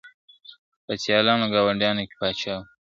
په سیالانو ګاونډیانو کي پاچا وو `